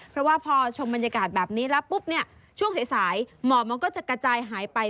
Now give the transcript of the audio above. เพราะว่าพอชมบรรยากาศแบบนี้แล้วปุ๊บเนี่ยช่วงสายหมอกมันก็จะกระจายหายไป